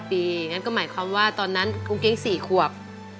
งั้นก็หมายความว่าตอนนั้นกุ้งเก้ง๔ขวบ